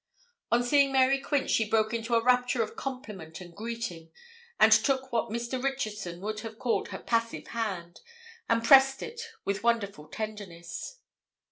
On seeing Mary Quince she broke into a rapture of compliment and greeting, and took what Mr. Richardson would have called her passive hand, and pressed it with wonderful tenderness.